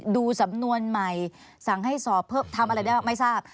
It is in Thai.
ดูสำนวนใหม่สั่งให้สอบเพิ่มทำอะไรได้ไม่ทราบ